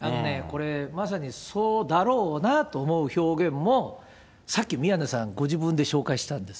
あのね、これ、まさにそうだろうなと思う表現も、さっき宮根さん、ご自分で紹介したんです。